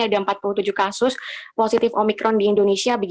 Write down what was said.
ada empat puluh tujuh kasus positif omikron di indonesia